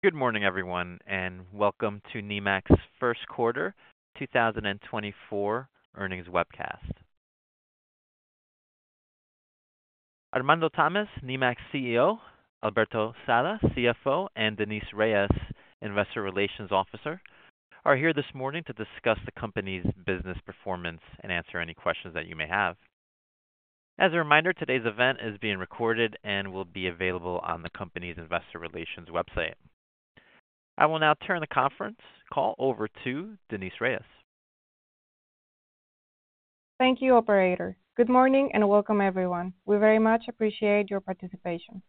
Good morning, everyone, and welcome to Nemak First Quarter 2024 Earnings Webcast. Armando Tamez, Nemak CEO; Alberto Sada, CFO; and Denise Reyes, Investor Relations Officer, are here this morning to discuss the company's business performance and answer any questions that you may have. As a reminder, today's event is being recorded and will be available on the company's Investor Relations website. I will now turn the conference call over to Denise Reyes. Thank you, operator. Good morning and welcome, everyone. We very much appreciate your participation.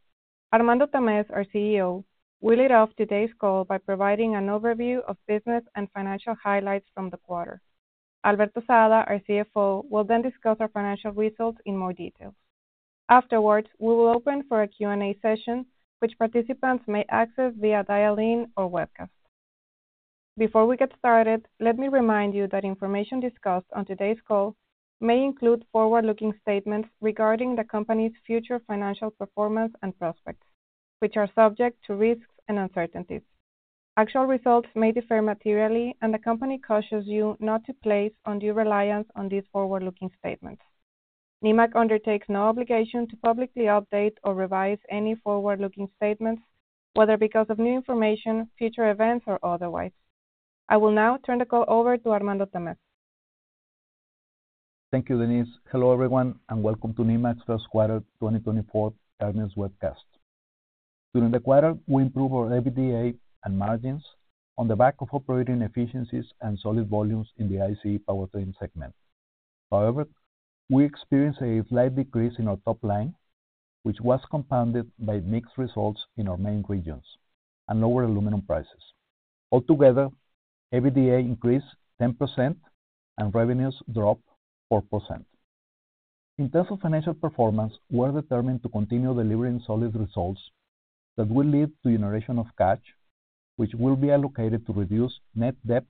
Armando Tamez, our CEO, will lead off today's call by providing an overview of business and financial highlights from the quarter. Alberto Sada, our CFO, will then discuss our financial results in more details. Afterwards, we will open for a Q&A session, which participants may access via dial-in or webcast. Before we get started, let me remind you that information discussed on today's call may include forward-looking statements regarding the company's future financial performance and prospects, which are subject to risks and uncertainties. Actual results may differ materially, and the company cautions you not to place undue reliance on these forward-looking statements. Nemak undertakes no obligation to publicly update or revise any forward-looking statements, whether because of new information, future events, or otherwise. I will now turn the call over to Armando Tamez. Thank you, Denise. Hello, everyone, and welcome to Nemak First Quarter 2024 Earnings Webcast. During the quarter, we improved our EBITDA and margins on the back of operating efficiencies and solid volumes in the ICE powertrain segment. However, we experienced a slight decrease in our top line, which was compounded by mixed results in our main regions and lower aluminum prices. Altogether, EBITDA increased 10% and revenues dropped 4%. In terms of financial performance, we are determined to continue delivering solid results that will lead to generation of cash, which will be allocated to reduce net debt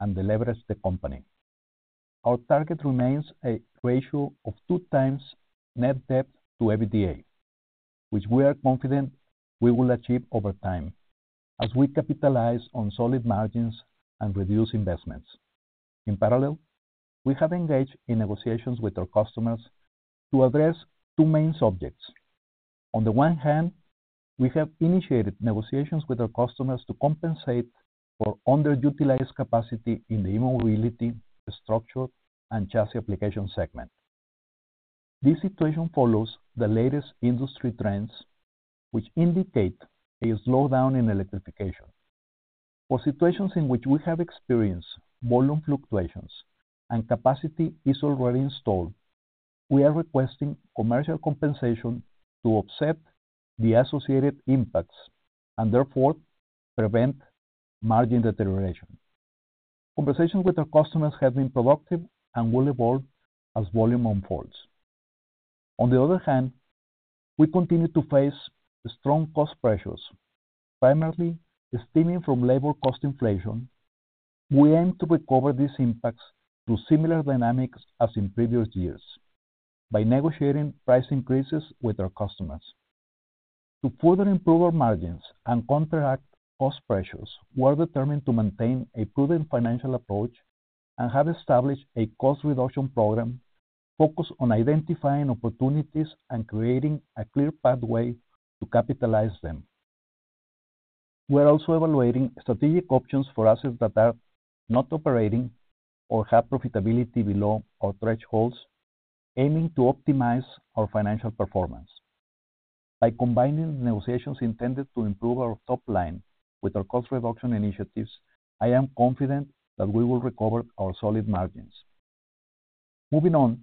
and leverage the company. Our target remains a ratio of 2x net debt to EBITDA, which we are confident we will achieve over time as we capitalize on solid margins and reduce investments. In parallel, we have engaged in negotiations with our customers to address two main subjects. On the one hand, we have initiated negotiations with our customers to compensate for underutilized capacity in the E-Mobility, Structure, and Chassis Applications segment. This situation follows the latest industry trends, which indicate a slowdown in electrification. For situations in which we have experienced volume fluctuations and capacity is already installed, we are requesting commercial compensation to offset the associated impacts and, therefore, prevent margin deterioration. Conversations with our customers have been productive and will evolve as volume unfolds. On the other hand, we continue to face strong cost pressures, primarily stemming from labor cost inflation. We aim to recover these impacts through similar dynamics as in previous years by negotiating price increases with our customers. To further improve our margins and counteract cost pressures, we are determined to maintain a prudent financial approach and have established a cost reduction program focused on identifying opportunities and creating a clear pathway to capitalize them. We are also evaluating strategic options for assets that are not operating or have profitability below our thresholds, aiming to optimize our financial performance. By combining the negotiations intended to improve our top line with our cost reduction initiatives, I am confident that we will recover our solid margins. Moving on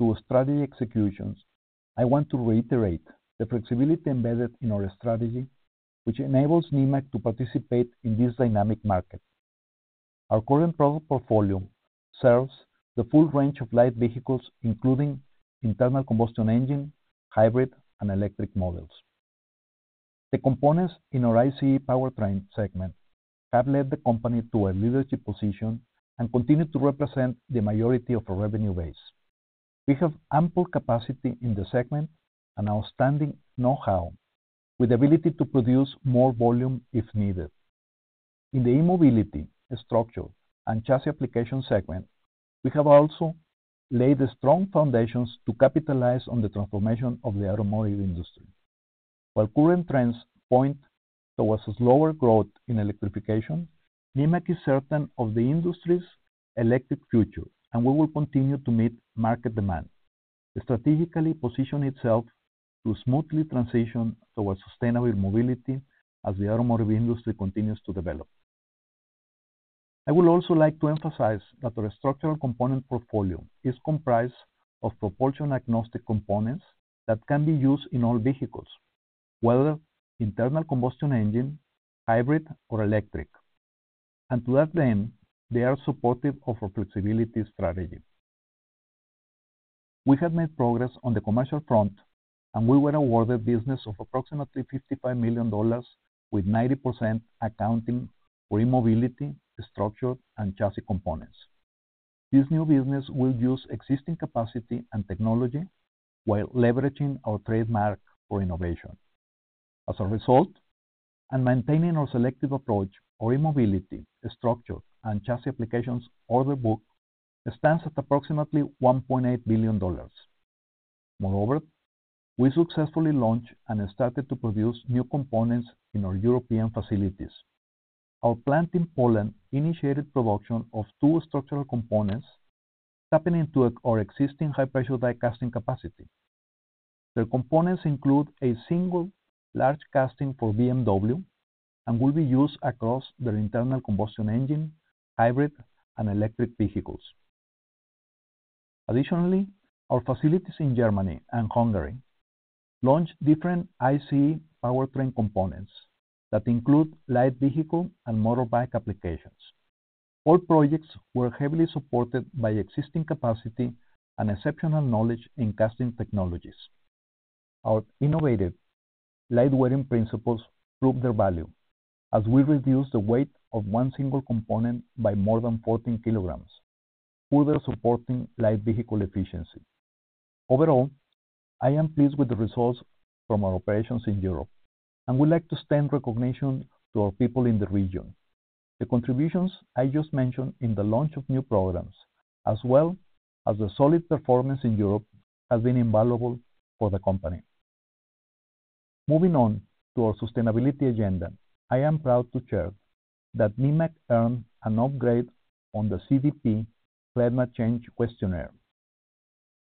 to strategy executions, I want to reiterate the flexibility embedded in our strategy, which enables Nemak to participate in this dynamic market. Our current product portfolio serves the full range of light vehicles, including internal combustion engine, hybrid, and electric models. The components in our ICE powertrain segment have led the company to a leadership position and continue to represent the majority of our revenue base. We have ample capacity in the segment and outstanding know-how, with the ability to produce more volume if needed. In the E-mobility, structure, and chassis application segment, we have also laid strong foundations to capitalize on the transformation of the automotive industry. While current trends point towards a slower growth in electrification, Nemak is certain of the industry's electric future, and we will continue to meet market demand, strategically positioning itself to smoothly transition towards sustainable mobility as the automotive industry continues to develop. I would also like to emphasize that our structural component portfolio is comprised of propulsion-agnostic components that can be used in all vehicles, whether internal combustion engine, hybrid, or electric, and to that end, they are supportive of our flexibility strategy. We have made progress on the commercial front, and we were awarded a business of approximately $55 million, with 90% accounting for E-mobility, structure, and chassis components. This new business will use existing capacity and technology while leveraging our trademark for innovation. As a result, and maintaining our selective approach, our E-mobility, structure, and chassis applications order book stands at approximately $1.8 billion. Moreover, we successfully launched and started to produce new components in our European facilities. Our plant in Poland initiated production of two structural components, tapping into our existing high-pressure die casting capacity. Their components include a single large casting for BMW and will be used across their internal combustion engine, hybrid, and electric vehicles. Additionally, our facilities in Germany and Hungary launched different ICE powertrain components that include light vehicle and motorbike applications. All projects were heavily supported by existing capacity and exceptional knowledge in casting technologies. Our innovative lightweighting principles proved their value, as we reduced the weight of one single component by more than 14 kg, further supporting light vehicle efficiency. Overall, I am pleased with the results from our operations in Europe, and would like to extend recognition to our people in the region. The contributions I just mentioned in the launch of new programs, as well as the solid performance in Europe, have been invaluable for the company. Moving on to our sustainability agenda, I am proud to share that Nemak earned an upgrade on the CDP Climate Change Questionnaire.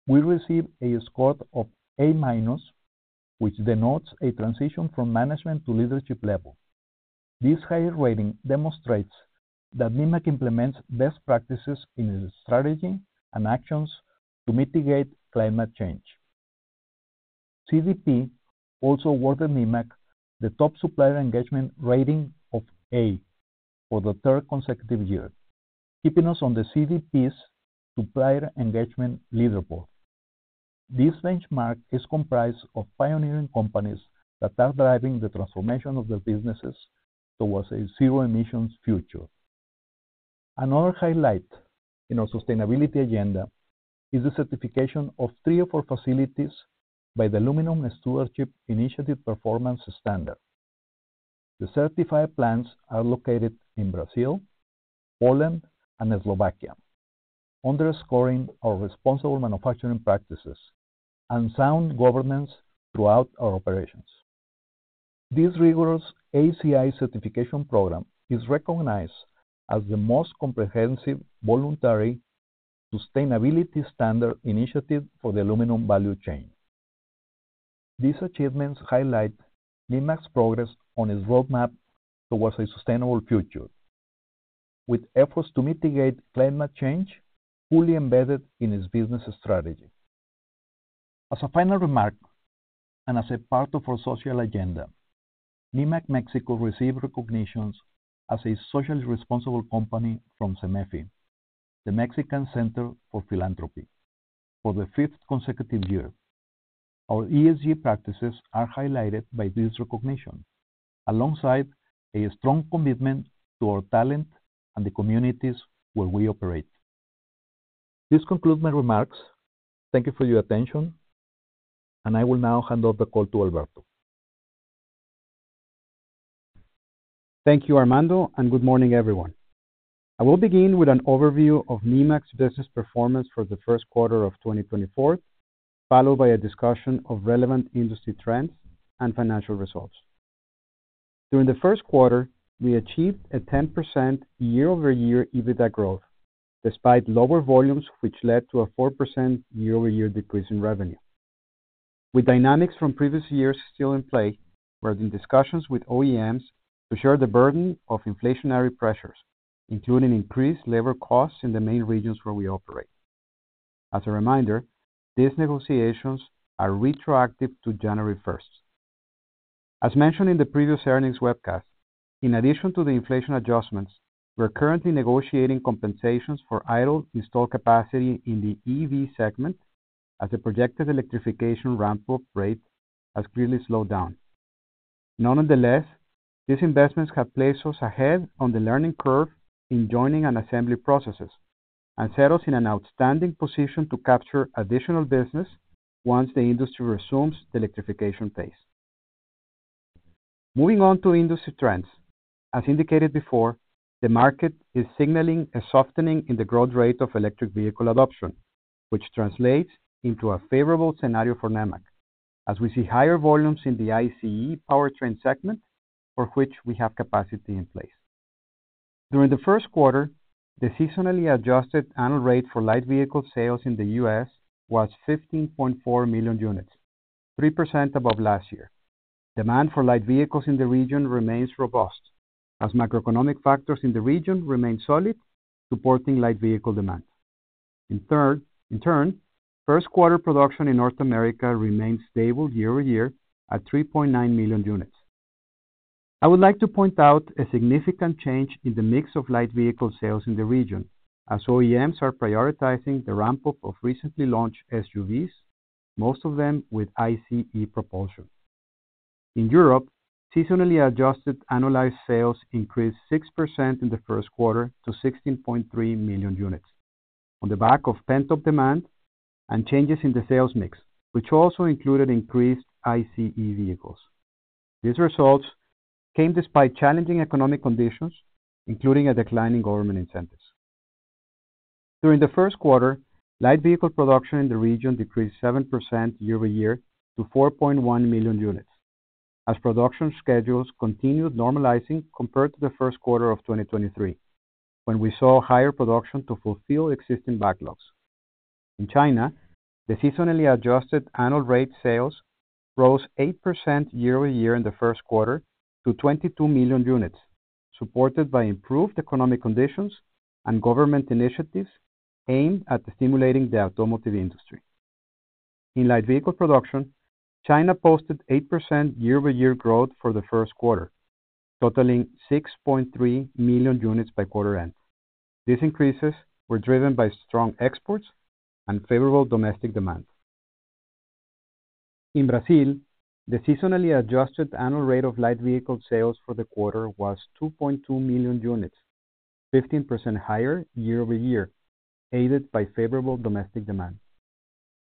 We received a score of A-, which denotes a transition from management to leadership level. This high rating demonstrates that Nemak implements best practices in its strategy and actions to mitigate climate change. CDP also awarded Nemak the Top Supplier Engagement rating of A for the third consecutive year, keeping us on the CDP's Supplier Engagement Leaderboard. This benchmark is comprised of pioneering companies that are driving the transformation of their businesses towards a zero-emissions future. Another highlight in our sustainability agenda is the certification of three of our facilities by the Aluminium Stewardship Initiative Performance Standard. The certified plants are located in Brazil, Poland, and Slovakia, underscoring our responsible manufacturing practices and sound governance throughout our operations. This rigorous ASI certification program is recognized as the most comprehensive voluntary sustainability standard initiative for the aluminium value chain. These achievements highlight Nemak's progress on its roadmap towards a sustainable future, with efforts to mitigate climate change fully embedded in its business strategy. As a final remark and as a part of our social agenda, Nemak Mexico received recognition as a socially responsible company from Cemefi, the Mexican Center for Philanthropy, for the fifth consecutive year. Our ESG practices are highlighted by this recognition, alongside a strong commitment to our talent and the communities where we operate. This concludes my remarks. Thank you for your attention, and I will now hand off the call to Alberto. Thank you, Armando, and good morning, everyone. I will begin with an overview of Nemak business performance for the first quarter of 2024, followed by a discussion of relevant industry trends and financial results. During the first quarter, we achieved a 10% year-over-year EBITDA growth, despite lower volumes, which led to a 4% year-over-year decrease in revenue. With dynamics from previous years still in play, we are in discussions with OEMs to share the burden of inflationary pressures, including increased labor costs in the main regions where we operate. As a reminder, these negotiations are retroactive to January 1st. As mentioned in the previous earnings webcast, in addition to the inflation adjustments, we are currently negotiating compensations for idle installed capacity in the EV segment, as the projected electrification ramp-up rate has clearly slowed down. Nonetheless, these investments have placed us ahead on the learning curve in joining and assembly processes and set us in an outstanding position to capture additional business once the industry resumes the electrification phase. Moving on to industry trends, as indicated before, the market is signaling a softening in the growth rate of electric vehicle adoption, which translates into a favorable scenario for Nemak, as we see higher volumes in the ICE powertrain segment for which we have capacity in place. During the first quarter, the seasonally adjusted annual rate for light vehicle sales in the U.S. was 15.4 million units, 3% above last year. Demand for light vehicles in the region remains robust, as macroeconomic factors in the region remain solid, supporting light vehicle demand. In turn, first quarter production in North America remained stable year-over-year at 3.9 million units. I would like to point out a significant change in the mix of light vehicle sales in the region, as OEMs are prioritizing the ramp-up of recently launched SUVs, most of them with ICE propulsion. In Europe, seasonally adjusted annualized sales increased 6% in the first quarter to 16.3 million units, on the back of pent-up demand and changes in the sales mix, which also included increased ICE vehicles. These results came despite challenging economic conditions, including a declining government incentive. During the first quarter, light vehicle production in the region decreased 7% year-over-year to 4.1 million units, as production schedules continued normalizing compared to the first quarter of 2023, when we saw higher production to fulfill existing backlogs. In China, the seasonally adjusted annual rate sales rose 8% year-over-year in the first quarter to 22 million units, supported by improved economic conditions and government initiatives aimed at stimulating the automotive industry. In light vehicle production, China posted 8% year-over-year growth for the first quarter, totaling 6.3 million units by quarter-end. These increases were driven by strong exports and favorable domestic demand. In Brazil, the seasonally adjusted annual rate of light vehicle sales for the quarter was 2.2 million units, 15% higher year-over-year, aided by favorable domestic demand.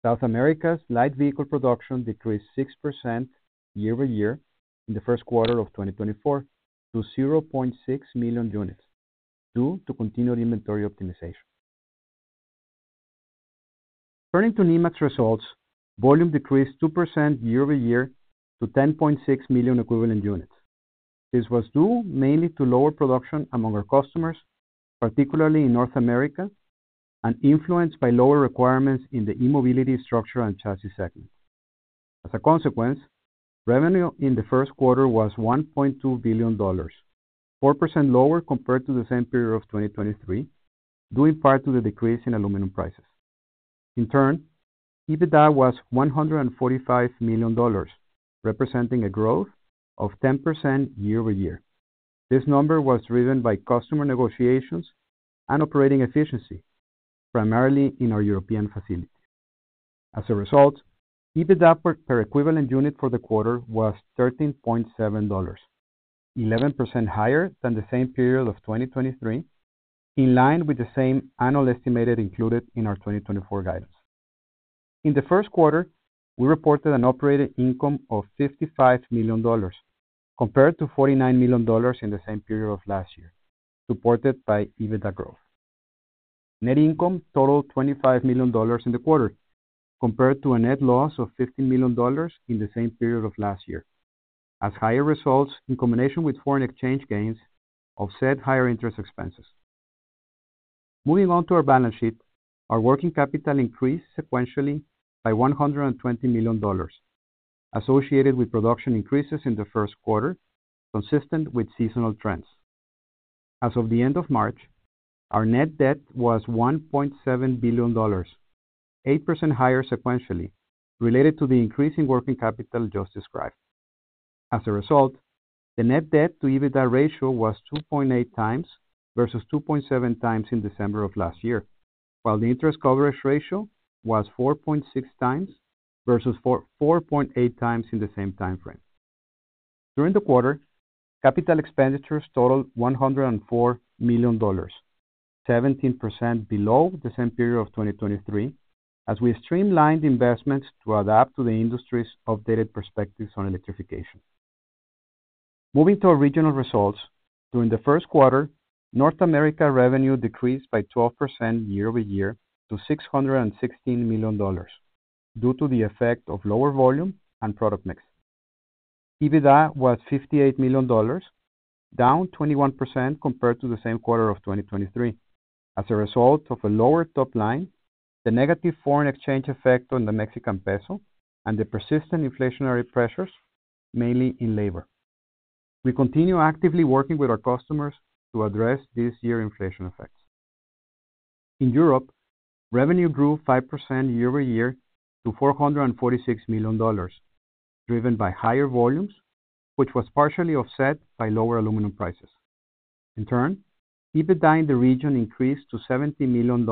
South America's light vehicle production decreased 6% year-over-year in the first quarter of 2024 to 0.6 million units, due to continued inventory optimization. Turning to Nemak results, volume decreased 2% year-over-year to 10.6 million equivalent units. This was due mainly to lower production among our customers, particularly in North America, and influenced by lower requirements in the E-Mobility, Structure, and Chassis segment. As a consequence, revenue in the first quarter was $1.2 billion, 4% lower compared to the same period of 2023, due in part to the decrease in aluminum prices. In turn, EBITDA was $145 million, representing a growth of 10% year-over-year. This number was driven by customer negotiations and operating efficiency, primarily in our European facilities. As a result, EBITDA per equivalent unit for the quarter was $13.7, 11% higher than the same period of 2023, in line with the same annual estimate included in our 2024 guidance. In the first quarter, we reported an operating income of $55 million, compared to $49 million in the same period of last year, supported by EBITDA growth. Net income totaled $25 million in the quarter, compared to a net loss of $15 million in the same period of last year, as higher results in combination with foreign exchange gains offset higher interest expenses. Moving on to our balance sheet, our working capital increased sequentially by $120 million, associated with production increases in the first quarter, consistent with seasonal trends. As of the end of March, our net debt was $1.7 billion, 8% higher sequentially, related to the increase in working capital just described. As a result, the net debt-to-EBITDA ratio was 2.8x versus 2.7 times in December of last year, while the interest coverage ratio was 4.6 times versus 4.8 times in the same time frame. During the quarter, capital expenditures totaled $104 million, 17% below the same period of 2023, as we streamlined investments to adapt to the industry's updated perspectives on electrification. Moving to our regional results, during the first quarter, North America revenue decreased by 12% year-over-year to $616 million, due to the effect of lower volume and product mix. EBITDA was $58 million, down 21% compared to the same quarter of 2023, as a result of a lower top line, the negative foreign exchange effect on the Mexican peso, and the persistent inflationary pressures, mainly in labor. We continue actively working with our customers to address this year's inflation effects. In Europe, revenue grew 5% year-over-year to $446 million, driven by higher volumes, which was partially offset by lower aluminum prices. In turn, EBITDA in the region increased to $70 million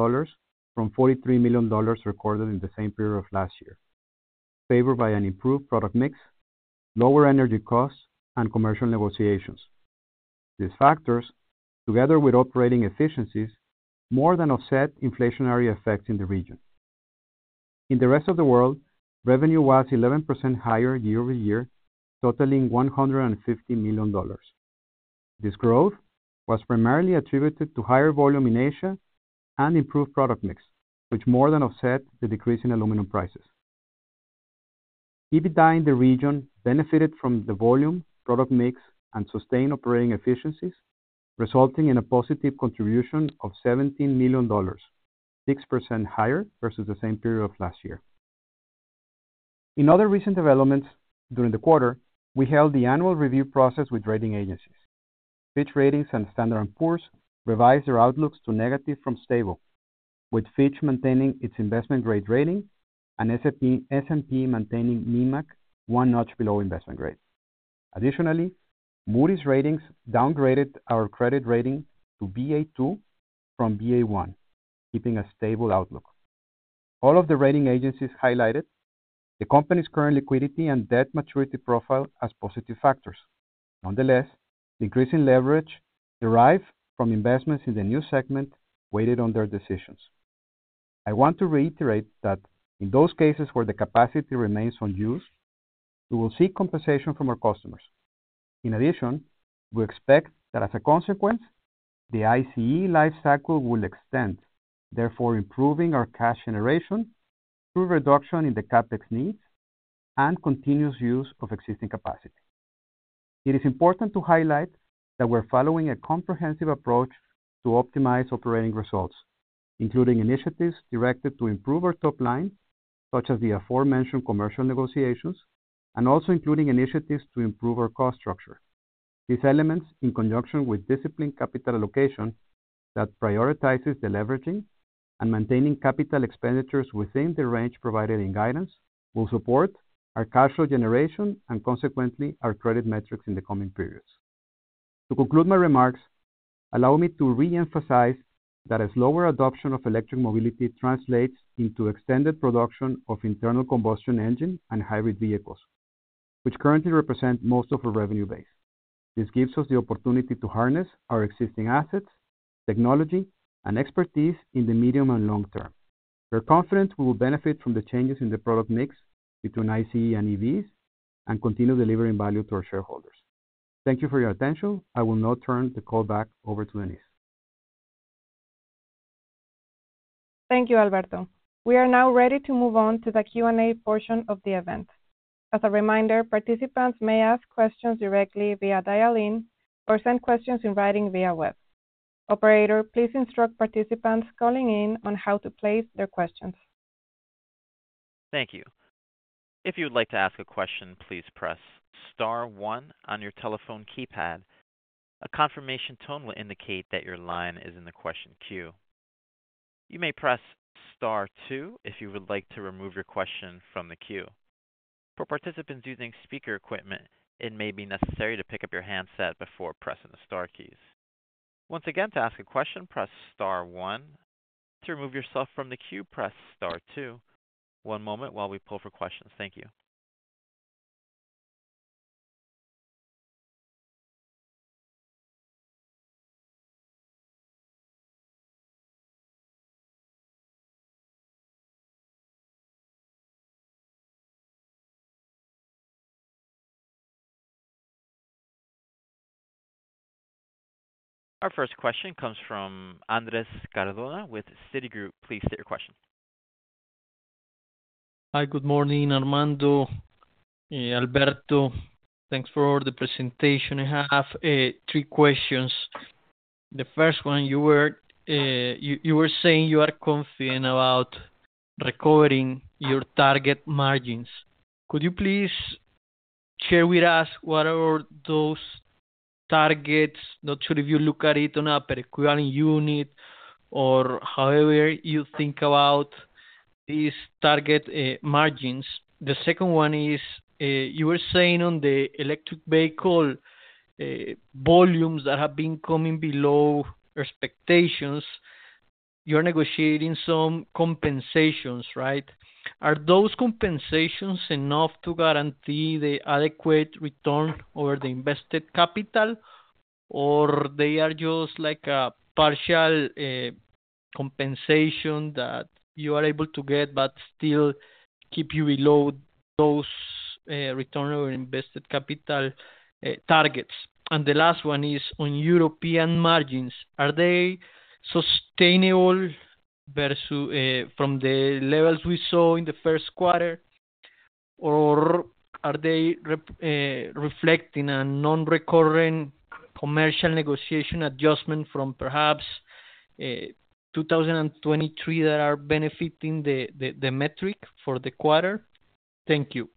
from $43 million recorded in the same period of last year, favored by an improved product mix, lower energy costs, and commercial negotiations. These factors, together with operating efficiencies, more than offset inflationary effects in the region. In the rest of the world, revenue was 11% higher year-over-year, totaling $150 million. This growth was primarily attributed to higher volume in Asia and improved product mix, which more than offset the decrease in aluminum prices. EBITDA in the region benefited from the volume, product mix, and sustained operating efficiencies, resulting in a positive contribution of $17 million, 6% higher versus the same period of last year. In other recent developments during the quarter, we held the annual review process with rating agencies. Fitch Ratings and Standard & Poor's revised their outlooks to negative from stable, with Fitch maintaining its investment-grade rating and S&P maintaining Nemak one notch below investment grade. Additionally, Moody's Ratings downgraded our credit rating to Ba2 from Ba1, keeping a stable outlook. All of the rating agencies highlighted the company's current liquidity and debt maturity profile as positive factors. Nonetheless, the increase in leverage derived from investments in the new segment weighed on their decisions. I want to reiterate that in those cases where the capacity remains unused, we will see compensation from our customers. In addition, we expect that as a consequence, the ICE lifecycle will extend, therefore improving our cash generation through reduction in the CapEx needs and continuous use of existing capacity. It is important to highlight that we are following a comprehensive approach to optimize operating results, including initiatives directed to improve our top line, such as the aforementioned commercial negotiations, and also including initiatives to improve our cost structure. These elements, in conjunction with disciplined capital allocation that prioritizes the leveraging and maintaining capital expenditures within the range provided in guidance, will support our cash flow generation and, consequently, our credit metrics in the coming periods. To conclude my remarks, allow me to reemphasize that a slower adoption of electric mobility translates into extended production of internal combustion engine and hybrid vehicles, which currently represent most of our revenue base. This gives us the opportunity to harness our existing assets, technology, and expertise in the medium and long term. We are confident we will benefit from the changes in the product mix between ICE and EVs and continue delivering value to our shareholders. Thank you for your attention. I will now turn the call back over to Denise. Thank you, Alberto. We are now ready to move on to the Q&A portion of the event. As a reminder, participants may ask questions directly via dial-in or send questions in writing via web. Operator, please instruct participants calling in on how to place their questions. Thank you. If you would like to ask a question, please press star one on your telephone keypad. A confirmation tone will indicate that your line is in the question queue. You may press star two if you would like to remove your question from the queue. For participants using speaker equipment, it may be necessary to pick up your handset before pressing the star keys. Once again, to ask a question, press star one. To remove yourself from the queue, press star two. One moment while we pull for questions. Thank you. Our first question comes from Andrés Cardona with Citi. Please state your question. Hi, good morning, Armando. Alberto, thanks for the presentation. I have three questions. The first one, you were saying you are confident about recovering your target margins. Could you please share with us what are those targets? Not sure if you look at it on a per-equivalent unit or however you think about these target margins. The second one is, you were saying on the electric vehicle volumes that have been coming below expectations, you are negotiating some compensations, right? Are those compensations enough to guarantee the adequate return over the invested capital, or they are just like a partial compensation that you are able to get but still keep you below those return over invested capital targets? The last one is, on European margins, are they sustainable from the levels we saw in the first quarter, or are they reflecting a non-recurring commercial negotiation adjustment from perhaps 2023 that are benefiting the metric for the quarter? Thank you.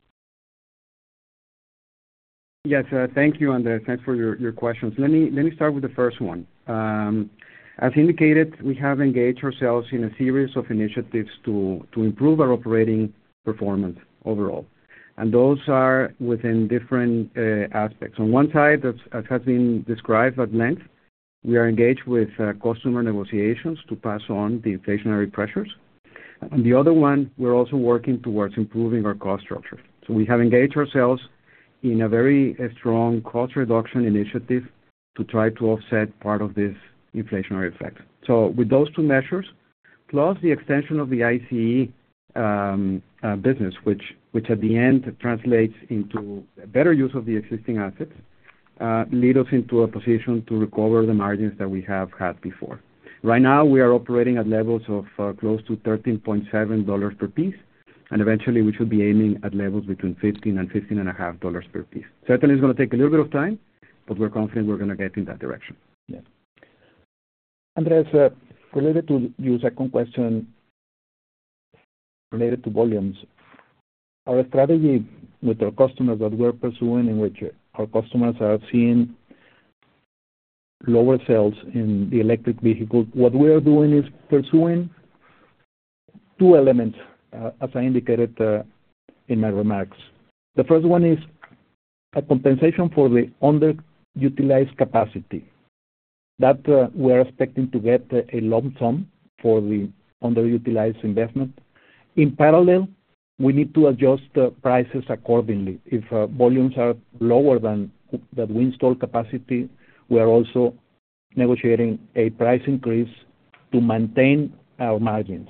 Yes, thank you, Andrés. Thanks for your questions. Let me start with the first one. As indicated, we have engaged ourselves in a series of initiatives to improve our operating performance overall, and those are within different aspects. On one side, as has been described at length, we are engaged with customer negotiations to pass on the inflationary pressures. On the other one, we're also working towards improving our cost structure. So we have engaged ourselves in a very strong cost reduction initiative to try to offset part of this inflationary effect. So with those two measures, plus the extension of the ICE business, which at the end translates into better use of the existing assets, leads us into a position to recover the margins that we have had before. Right now, we are operating at levels of close to $13.7 per piece, and eventually, we should be aiming at levels between $15-$15.5 per piece. Certainly, it's going to take a little bit of time, but we're confident we're going to get in that direction. Yes. Andrés, related to your second question related to volumes, our strategy with our customers that we're pursuing, in which our customers are seeing lower sales in the electric vehicle, what we are doing is pursuing two elements, as I indicated in my remarks. The first one is a compensation for the underutilized capacity. We are expecting to get a lump sum for the underutilized investment. In parallel, we need to adjust prices accordingly. If volumes are lower than that installed capacity, we are also negotiating a price increase to maintain our margins.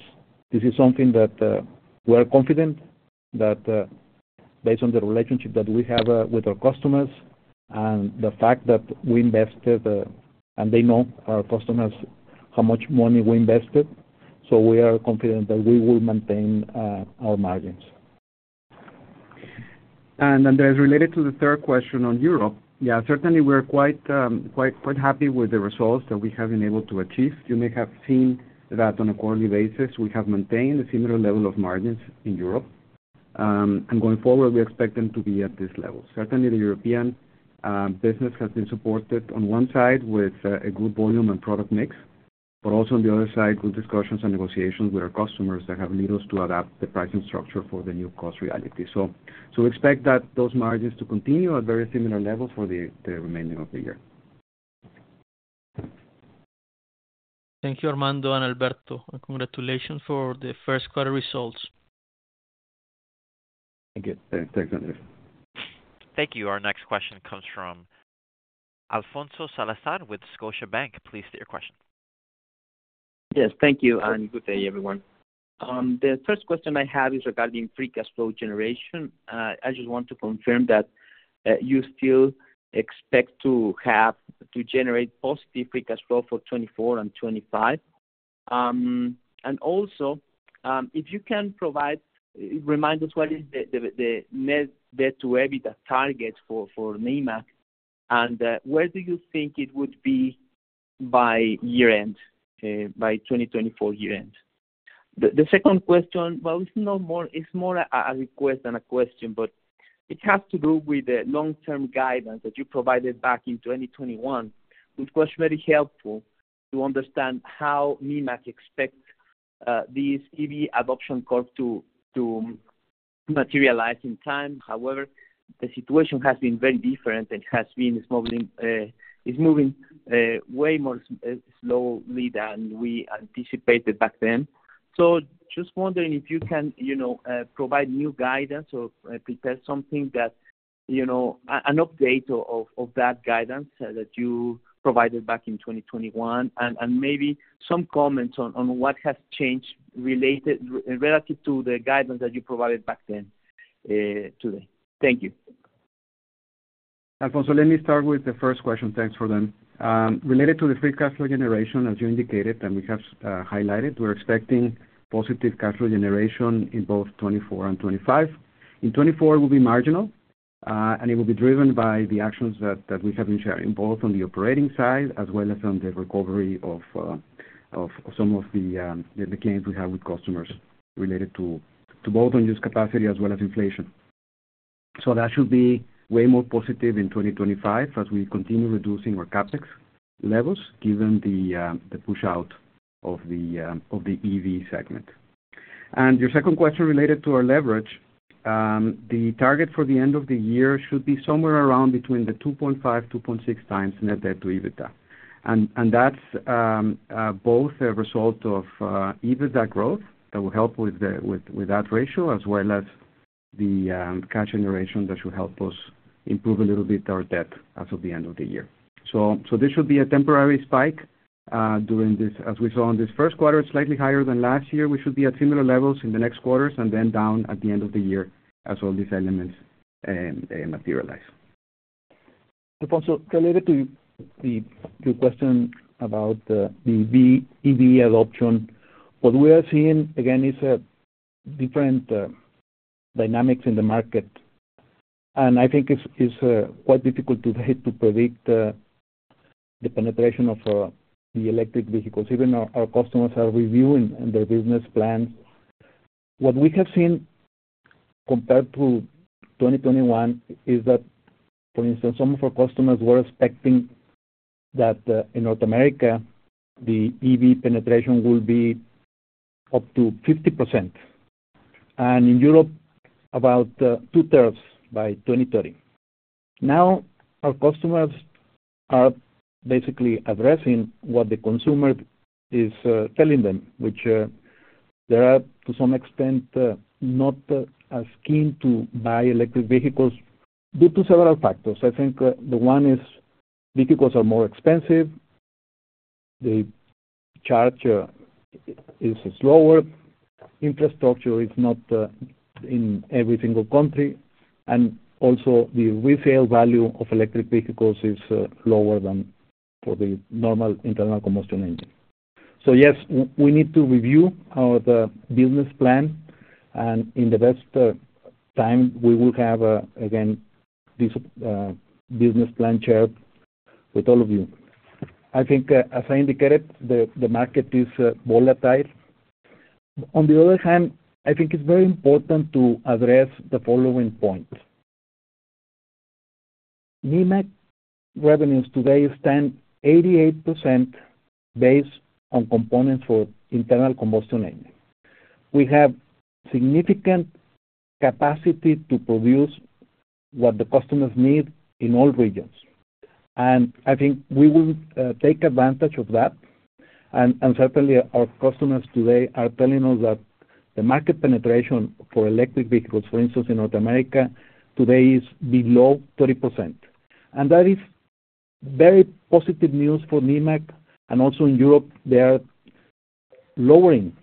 This is something that we are confident that, based on the relationship that we have with our customers and the fact that we invested and they know, our customers, how much money we invested, so we are confident that we will maintain our margins. Andrés, related to the third question on Europe, yeah, certainly, we are quite happy with the results that we have been able to achieve. You may have seen that on a quarterly basis. We have maintained a similar level of margins in Europe, and going forward, we expect them to be at this level. Certainly, the European business has been supported on one side with a good volume and product mix, but also on the other side, good discussions and negotiations with our customers that have led us to adapt the pricing structure for the new cost reality. So we expect those margins to continue at very similar levels for the remainder of the year. Thank you, Armando and Alberto. Congratulations for the first quarter results. Thank you. Thanks, Andrés. Thank you. Our next question comes from Alfonso Salazar with Scotiabank. Please state your question. Yes, thank you and good day, everyone. The first question I have is regarding free cash flow generation. I just want to confirm that you still expect to generate positive free cash flow for 2024 and 2025. And also, if you can provide remind us what is the net debt-to-EBITDA target for Nemak, and where do you think it would be by year-end, by 2024 year-end? The second question, well, it's more a request than a question, but it has to do with the long-term guidance that you provided back in 2021, which was very helpful to understand how Nemak expects this EV adoption curve to materialize in time. However, the situation has been very different, and it's moving way more slowly than we anticipated back then. Just wondering if you can provide new guidance or prepare something that an update of that guidance that you provided back in 2021, and maybe some comments on what has changed relative to the guidance that you provided back then today? Thank you. Alfonso, let me start with the first question. Thanks for them. Related to the free cash flow generation, as you indicated and we have highlighted, we're expecting positive cash flow generation in both 2024 and 2025. In 2024, it will be marginal, and it will be driven by the actions that we have been sharing both on the operating side as well as on the recovery of some of the gains we have with customers related to both unused capacity as well as inflation. So that should be way more positive in 2025 as we continue reducing our CapEx levels given the push-out of the EV segment. Your second question related to our leverage, the target for the end of the year should be somewhere around between 2.5x-2.6x net debt-to-EBITDA, and that's both a result of EBITDA growth that will help with that ratio as well as the cash generation that should help us improve a little bit our debt as of the end of the year. So this should be a temporary spike during this, as we saw in this first quarter, slightly higher than last year. We should be at similar levels in the next quarters and then down at the end of the year as all these elements materialize. Alfonso, related to your question about the EV adoption, what we are seeing, again, is different dynamics in the market, and I think it's quite difficult to predict the penetration of the electric vehicles. Even our customers are reviewing their business plans. What we have seen compared to 2021 is that, for instance, some of our customers were expecting that in North America, the EV penetration will be up to 50%, and in Europe, about two-thirds by 2030. Now, our customers are basically addressing what the consumer is telling them, which they are, to some extent, not as keen to buy electric vehicles due to several factors. I think the one is vehicles are more expensive, the charge is slower, infrastructure is not in every single country, and also, the resale value of electric vehicles is lower than for the normal internal combustion engine. So yes, we need to review our business plan, and in the best time, we will have, again, this business plan shared with all of you. I think, as I indicated, the market is volatile. On the other hand, I think it's very important to address the following points. Nemak revenues today stand 88% based on components for internal combustion engine. We have significant capacity to produce what the customers need in all regions, and I think we will take advantage of that. Certainly, our customers today are telling us that the market penetration for electric vehicles, for instance, in North America today, is below 30%, and that is very positive news for Nemak. Also in Europe, they are lowering,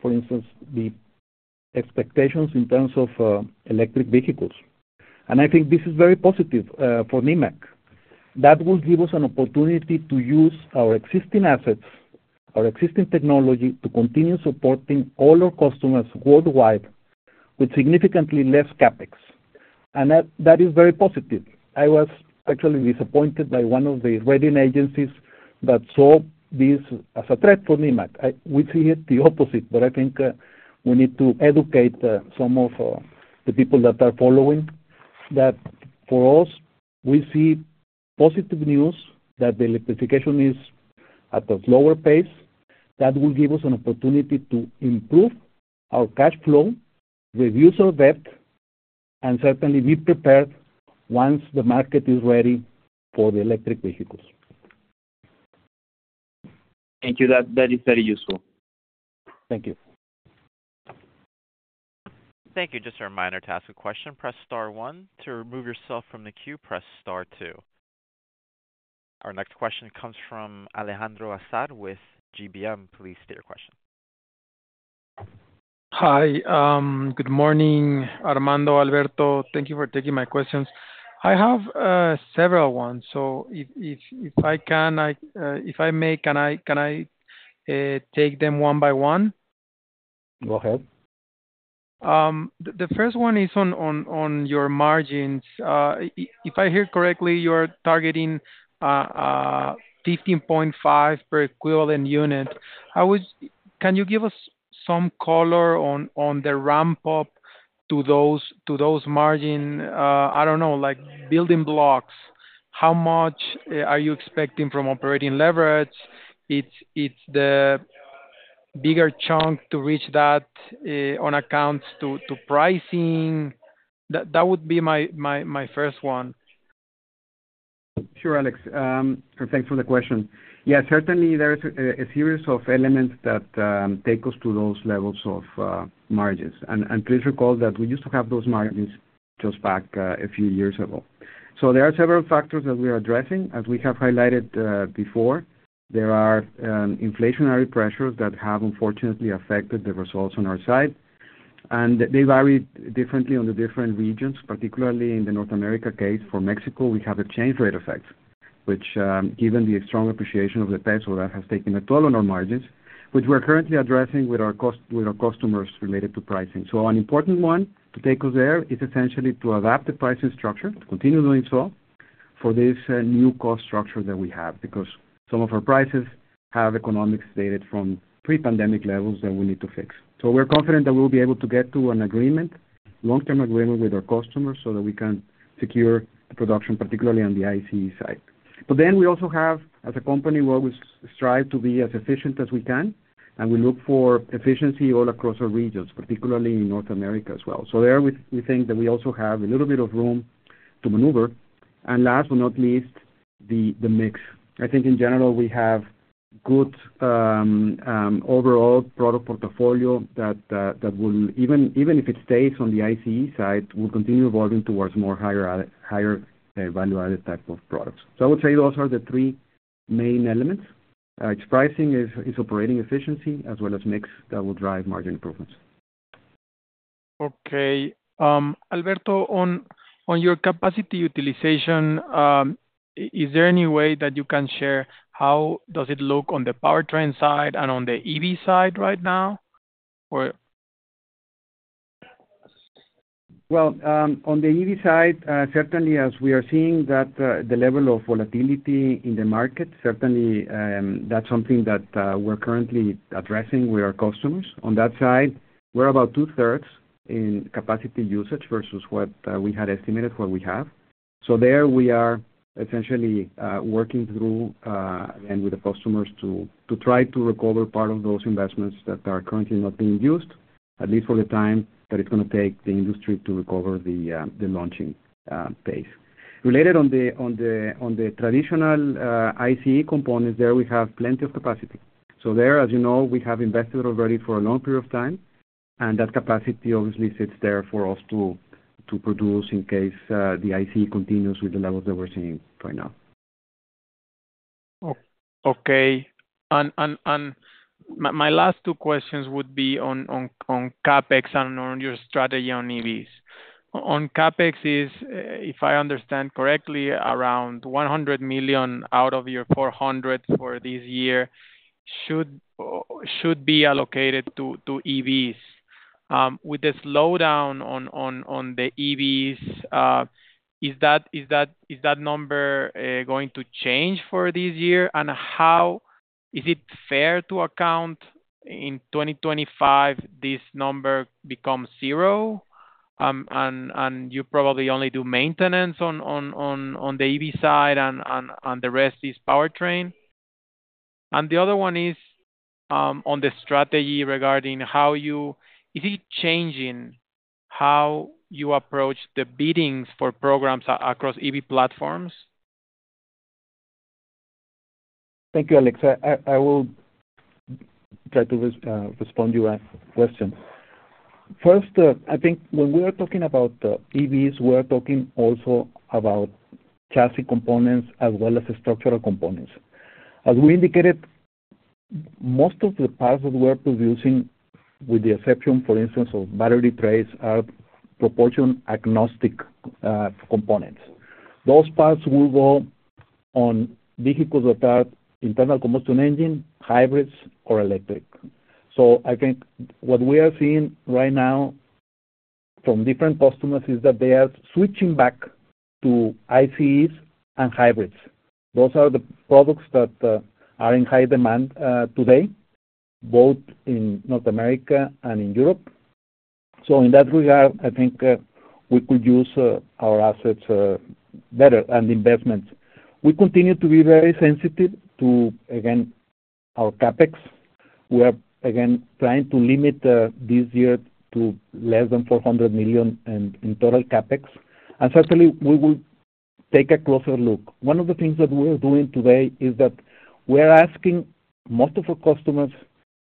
for instance, the expectations in terms of electric vehicles, and I think this is very positive for Nemak. That will give us an opportunity to use our existing assets, our existing technology, to continue supporting all our customers worldwide with significantly less CapEx, and that is very positive. I was actually disappointed by one of the rating agencies that saw this as a threat for Nemak. We see it the opposite, but I think we need to educate some of the people that are following that for us, we see positive news that the electrification is at a slower pace. That will give us an opportunity to improve our cash flow, reduce our debt, and certainly be prepared once the market is ready for the electric vehicles. Thank you. That is very useful. Thank you. Thank you. Just a reminder to ask a question. Press star one. To remove yourself from the queue, press star two. Our next question comes from Alejandro Azar with GBM. Please state your question. Hi. Good morning, Armando, Alberto. Thank you for taking my questions. I have several ones, so if I can, if I may, can I take them one by one? Go ahead. The first one is on your margins. If I hear correctly, you are targeting 15.5 per equivalent unit. Can you give us some color on the ramp-up to those margins? I don't know, building blocks. How much are you expecting from operating leverage? It's the bigger chunk to reach that on account of pricing. That would be my first one. Sure, Alex. Thanks for the question. Yes, certainly, there is a series of elements that take us to those levels of margins. And please recall that we used to have those margins just back a few years ago. So there are several factors that we are addressing. As we have highlighted before, there are inflationary pressures that have, unfortunately, affected the results on our side, and they vary differently on the different regions. Particularly in the North America case, for Mexico, we have exchange rate effects, which, given the strong appreciation of the peso, that has taken a toll on our margins, which we are currently addressing with our customers related to pricing. So an important one to take us there is essentially to adapt the pricing structure, to continue doing so, for this new cost structure that we have because some of our prices have economics dated from pre-pandemic levels that we need to fix. So we're confident that we'll be able to get to an agreement, long-term agreement, with our customers so that we can secure the production, particularly on the ICE side. But then we also have, as a company, we always strive to be as efficient as we can, and we look for efficiency all across our regions, particularly in North America as well. So there, we think that we also have a little bit of room to maneuver. And last but not least, the mix. I think, in general, we have good overall product portfolio that will, even if it stays on the ICE side, will continue evolving towards more higher-value-added type of products. So I would say those are the three main elements. It's pricing, it's operating efficiency, as well as mix that will drive margin improvements. Okay. Alberto, on your capacity utilization, is there any way that you can share how does it look on the powertrain side and on the EV side right now, or? Well, on the EV side, certainly, as we are seeing the level of volatility in the market, certainly, that's something that we're currently addressing with our customers. On that side, we're about two-thirds in capacity usage versus what we had estimated, what we have. So there, we are essentially working through, again, with the customers to try to recover part of those investments that are currently not being used, at least for the time that it's going to take the industry to recover the launching phase. Related on the traditional ICE components, there, we have plenty of capacity. So there, as you know, we have invested already for a long period of time, and that capacity, obviously, sits there for us to produce in case the ICE continues with the levels that we're seeing right now. Okay. And my last two questions would be on CapEx and on your strategy on EVs. On CapEx, if I understand correctly, around $100 million out of your $400 million for this year should be allocated to EVs. With the slowdown on the EVs, is that number going to change for this year, and is it fair to account in 2025 this number becomes zero, and you probably only do maintenance on the EV side and the rest is powertrain? And the other one is on the strategy regarding how you is it changing how you approach the biddings for programs across EV platforms? Thank you, Alex. I will try to respond to your question. First, I think when we are talking about EVs, we are talking also about chassis components as well as structural components. As we indicated, most of the parts that we are producing, with the exception, for instance, of battery trays, are propulsion-agnostic components. Those parts will go on vehicles that are internal combustion engines, hybrids, or electric. So I think what we are seeing right now from different customers is that they are switching back to ICEs and hybrids. Those are the products that are in high demand today, both in North America and in Europe. So in that regard, I think we could use our assets better and investments. We continue to be very sensitive to, again, our CapEx. We are, again, trying to limit this year to less than $400 million in total CapEx, and certainly, we will take a closer look. One of the things that we are doing today is that we are asking most of our customers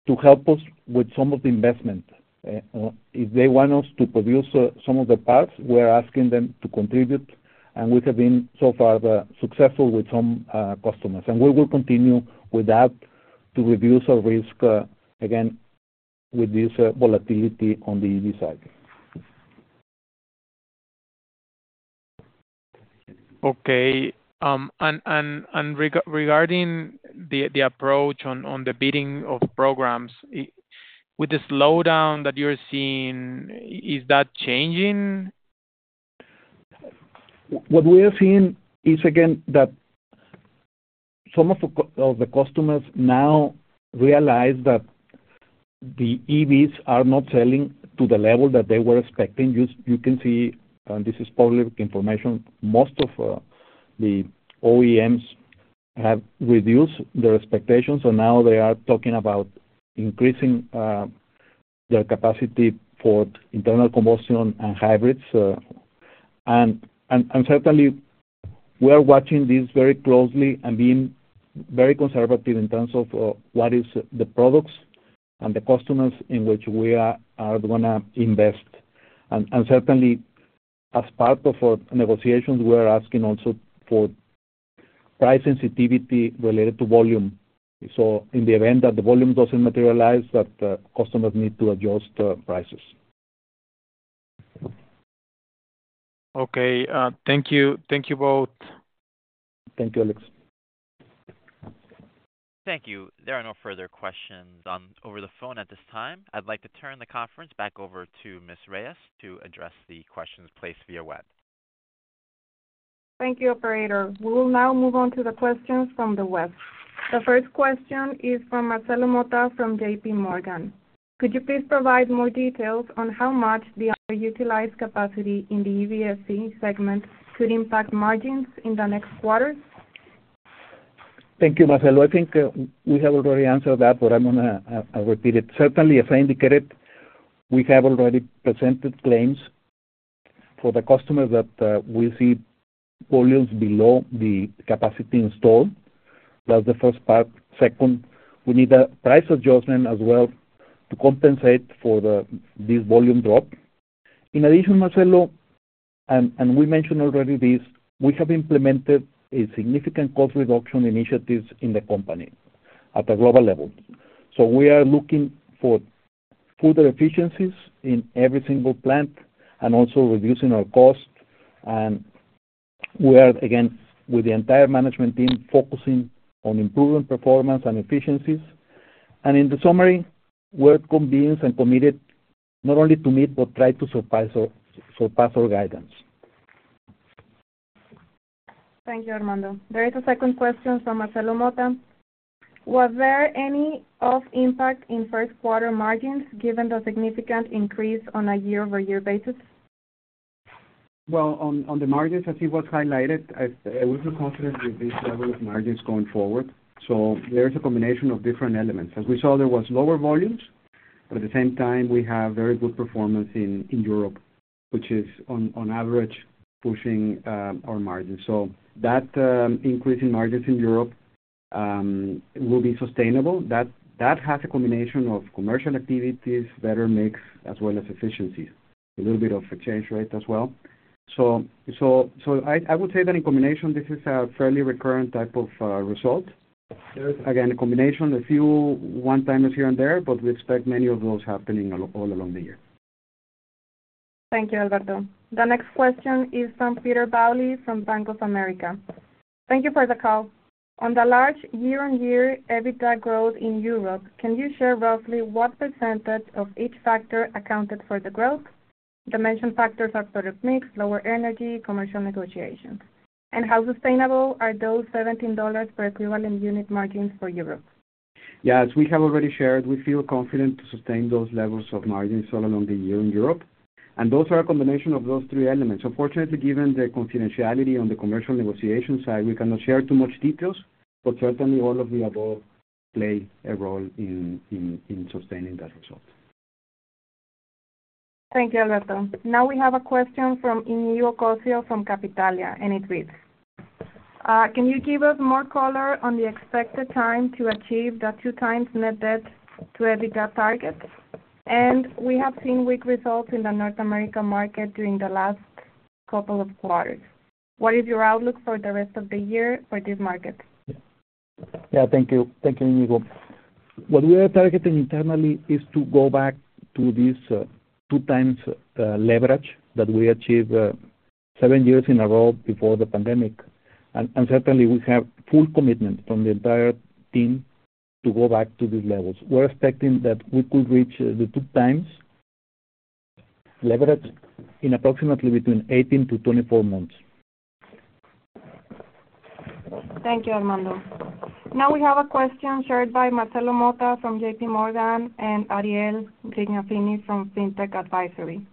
to help us with some of the investment. If they want us to produce some of the parts, we are asking them to contribute, and we have been so far successful with some customers, and we will continue with that to reduce our risk, again, with this volatility on the EV side. Okay. And regarding the approach on the bidding of programs, with the slowdown that you're seeing, is that changing? What we are seeing is, again, that some of the customers now realize that the EVs are not selling to the level that they were expecting. You can see, and this is public information, most of the OEMs have reduced their expectations, and now they are talking about increasing their capacity for internal combustion and hybrids. And certainly, we are watching this very closely and being very conservative in terms of what is the products and the customers in which we are going to invest. And certainly, as part of our negotiations, we are asking also for price sensitivity related to volume. So in the event that the volume doesn't materialize, that customers need to adjust prices. Okay. Thank you. Thank you both. Thank you, Alex. Thank you. There are no further questions over the phone at this time. I'd like to turn the conference back over to Denise Reyes to address the questions placed via web. Thank you, operator. We will now move on to the questions from the web. The first question is from Marcelo Motta from J.P. Morgan. Could you please provide more details on how much the underutilized capacity in the EVSC segment could impact margins in the next quarters? Thank you, Marcelo. I think we have already answered that, but I'm going to repeat it. Certainly, as I indicated, we have already presented claims for the customers that we see volumes below the installed capacity. That's the first part. Second, we need a price adjustment as well to compensate for this volume drop. In addition, Marcelo, and we mentioned already this, we have implemented a significant cost reduction initiative in the company at a global level. So we are looking for further efficiencies in every single plant and also reducing our costs. And we are, again, with the entire management team, focusing on improving performance and efficiencies. And in the summary, we're confident and committed not only to meet but try to surpass our guidance. Thank you, Armando. There is a second question from Marcelo Motta. Were there any one-off impact in first-quarter margins given the significant increase on a year-over-year basis? Well, on the margins, as it was highlighted, we feel confident with this level of margins going forward. So there is a combination of different elements. As we saw, there was lower volumes, but at the same time, we have very good performance in Europe, which is, on average, pushing our margins. So that increase in margins in Europe will be sustainable. That has a combination of commercial activities, better mix, as well as efficiencies, a little bit of exchange rate as well. So I would say that in combination, this is a fairly recurrent type of result. Again, a combination, a few one-timers here and there, but we expect many of those happening all along the year. Thank you, Alberto. The next question is from Peter Bauley from Bank of America. Thank you for the call. On the large year-over-year EBITDA growth in Europe, can you share roughly what percentage of each factor accounted for the growth? The mentioned factors are product mix, lower energy, commercial negotiations. How sustainable are those $17 per equivalent unit margins for Europe? Yes, we have already shared. We feel confident to sustain those levels of margins all along the year in Europe. Those are a combination of those three elements. Unfortunately, given the confidentiality on the commercial negotiation side, we cannot share too much details, but certainly, all of the above play a role in sustaining that result. Thank you, Alberto. Now we have a question from Iñigo Cossío from Capitalia, and it reads, "Can you give us more color on the expected time to achieve the 2x net debt to EBITDA targets? And we have seen weak results in the North America market during the last couple of quarters. What is your outlook for the rest of the year for this market? Yeah, thank you. Thank you, Iñigo. What we are targeting internally is to go back to this 2x leverage that we achieved seven years in a row before the pandemic. Certainly, we have full commitment from the entire team to go back to these levels. We're expecting that we could reach the 2x leverage in approximately between 18-24 months. Thank you, Armando. Now we have a question shared by Marcelo Motta from J.P. Morgan and Ariel Grignapini from Fintech Advisory.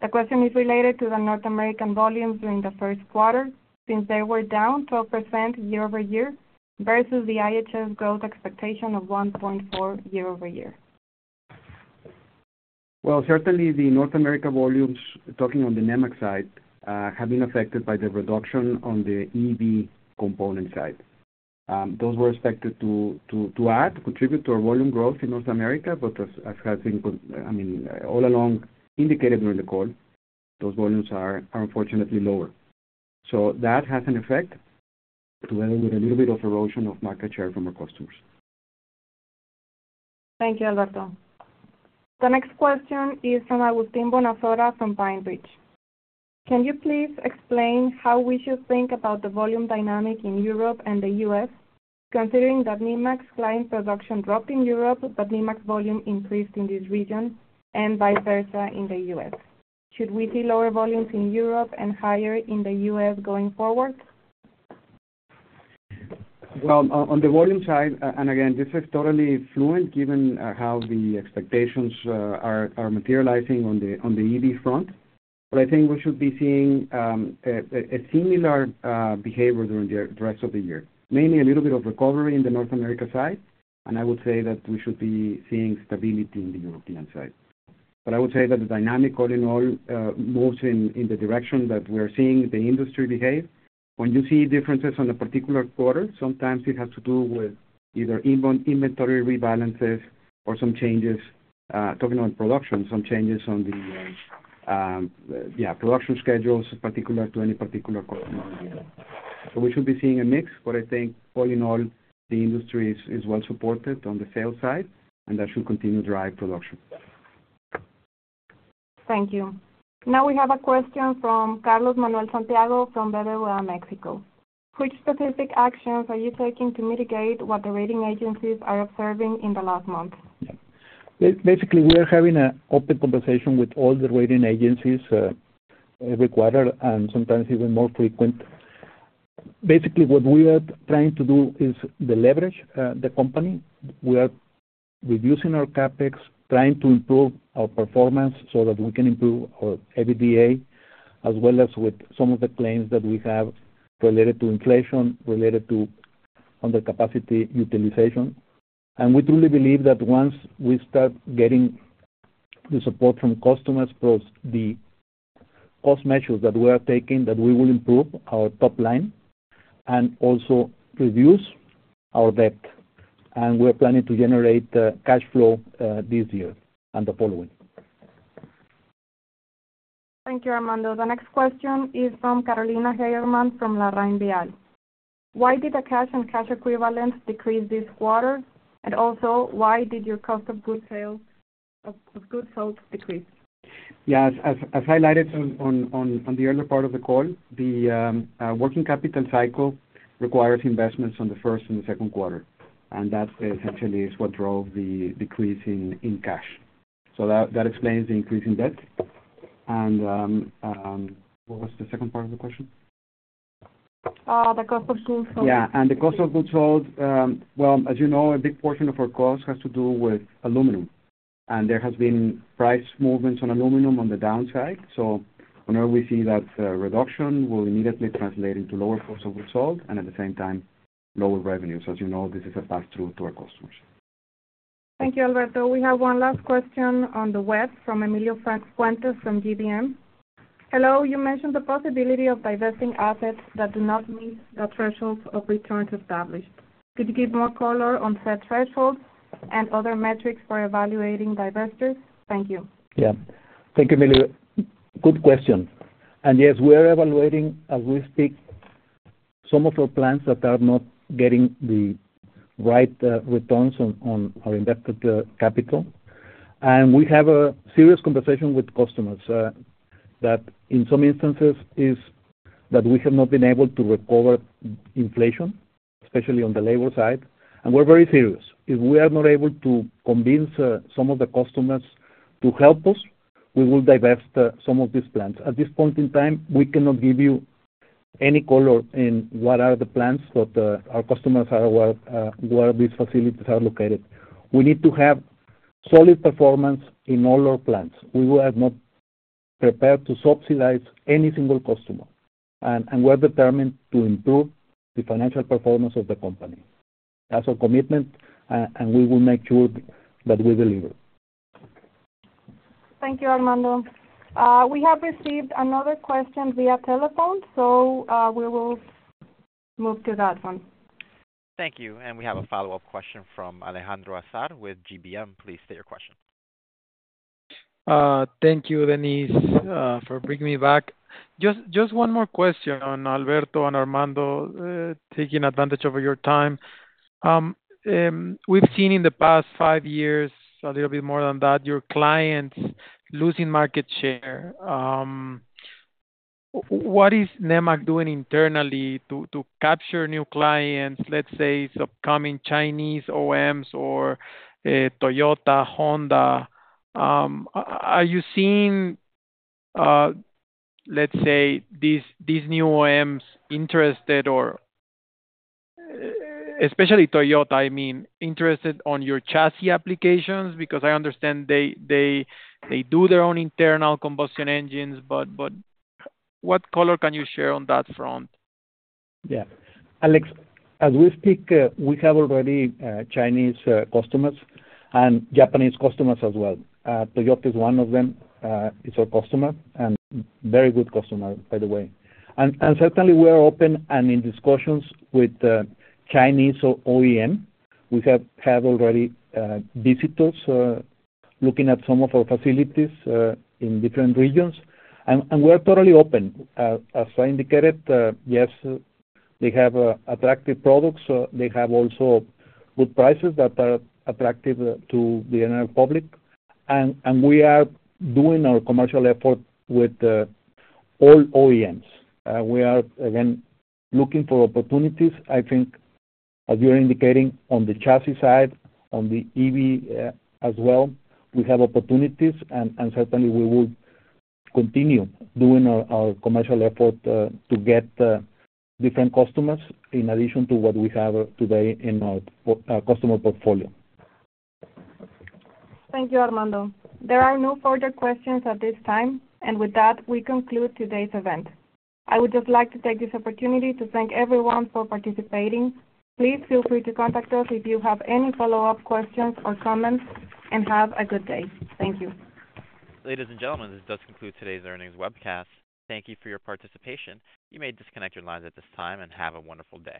The question is related to the North American volumes during the first quarter since they were down 12% year-over-year versus the IHS growth expectation of 1.4% year-over-year. Well, certainly, the North America volumes, talking on the Nemak side, have been affected by the reduction on the EV component side. Those were expected to add, to contribute to our volume growth in North America, but as has been, I mean, all along indicated during the call, those volumes are, unfortunately, lower. So that has an effect together with a little bit of erosion of market share from our customers. Thank you, Alberto. The next question is from Agustín Bonasoda from PineBridge. "Can you please explain how we should think about the volume dynamic in Europe and the U.S. considering that Nemak's client production dropped in Europe but Nemak's volume increased in this region and vice versa in the U.S.? Should we see lower volumes in Europe and higher in the U.S. going forward? Well, on the volume side, and again, this is totally fluent given how the expectations are materializing on the EV front, but I think we should be seeing a similar behavior during the rest of the year, mainly a little bit of recovery in the North America side, and I would say that we should be seeing stability in the European side. But I would say that the dynamic, all in all, moves in the direction that we are seeing the industry behave. When you see differences on a particular quarter, sometimes it has to do with either inventory rebalances or some changes, talking about production, some changes on the, yeah, production schedules, particular to any particular customer in Europe. So we should be seeing a mix, but I think, all in all, the industry is well supported on the sales side, and that should continue to drive production. Thank you. Now we have a question from Carlos Manuel Santiago from BBVA México. "Which specific actions are you taking to mitigate what the rating agencies are observing in the last month? Yeah. Basically, we are having an open conversation with all the rating agencies every quarter and sometimes even more frequent. Basically, what we are trying to do is leverage the company. We are reducing our CapEx, trying to improve our performance so that we can improve our EBITDA as well as with some of the claims that we have related to inflation, related to undercapacity utilization. And we truly believe that once we start getting the support from customers plus the cost measures that we are taking, that we will improve our top line and also reduce our debt. And we are planning to generate cash flow this year and the following. Thank you, Armando. The next question is from Carolina Heyermann from LarrainVial. "Why did the cash and cash equivalents decrease this quarter, and also why did your cost of goods sold decrease? Yeah. As highlighted on the earlier part of the call, the working capital cycle requires investments on the first and the second quarter, and that essentially is what drove the decrease in cash. So that explains the increase in debt. And what was the second part of the question? The Cost of Goods Sold. Yeah. And the cost of goods sold, well, as you know, a big portion of our costs has to do with aluminum, and there have been price movements on aluminum on the downside. So whenever we see that reduction, we'll immediately translate into lower cost of goods sold and, at the same time, lower revenues. As you know, this is a pass-through to our customers. Thank you, Alberto. We have one last question on the web from Emilio Fuentes from GBM. "Hello. You mentioned the possibility of divesting assets that do not meet the thresholds of returns established. Could you give more color on set thresholds and other metrics for evaluating divestitures? Thank you. Yeah. Thank you, Emilio. Good question. Yes, we are evaluating, as we speak, some of our plants that are not getting the right returns on our invested capital. We have a serious conversation with customers that, in some instances, is that we have not been able to recover inflation, especially on the labor side. We're very serious. If we are not able to convince some of the customers to help us, we will divest some of these plants. At this point in time, we cannot give you any color in what are the plants that our customers are where these facilities are located. We need to have solid performance in all our plants. We are not prepared to subsidize any single customer, and we're determined to improve the financial performance of the company. That's our commitment, and we will make sure that we deliver. Thank you, Armando. We have received another question via telephone, so we will move to that one. Thank you. We have a follow-up question from Alejandro Azar with GBM. Please state your question. Thank you, Denise, for bringing me back. Just one more question, Alberto, and Armando, taking advantage of your time. We've seen in the past five years, a little bit more than that, your clients losing market share. What is Nemak doing internally to capture new clients, let's say, upcoming Chinese OEMs or Toyota, Honda? Are you seeing, let's say, these new OEMs interested, or especially Toyota, I mean, interested on your chassis applications? Because I understand they do their own internal combustion engines, but what color can you share on that front? Yeah. Alex, as we speak, we have already Chinese customers and Japanese customers as well. Toyota is one of them. It's our customer and very good customer, by the way. And certainly, we are open and in discussions with Chinese OEM. We have had already visitors looking at some of our facilities in different regions. And we are totally open. As I indicated, yes, they have attractive products. They have also good prices that are attractive to the general public. And we are doing our commercial effort with all OEMs. We are, again, looking for opportunities. I think, as you are indicating, on the chassis side, on the EV as well, we have opportunities, and certainly, we will continue doing our commercial effort to get different customers in addition to what we have today in our customer portfolio. Thank you, Armando. There are no further questions at this time. With that, we conclude today's event. I would just like to take this opportunity to thank everyone for participating. Please feel free to contact us if you have any follow-up questions or comments and have a good day. Thank you. Ladies and gentlemen, this does conclude today's earnings webcast. Thank you for your participation. You may disconnect your lines at this time and have a wonderful day.